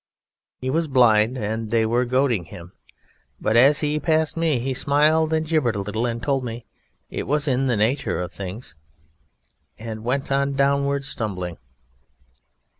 He was blind, and they were goading him. But as he passed me he smiled and gibbered a little, and told me it was in the nature of things, and went on downward stumbling.